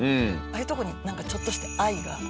ああいうとこにちょっとした愛が。